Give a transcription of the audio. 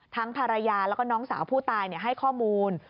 ภรรยาแล้วก็น้องสาวผู้ตายให้ข้อมูล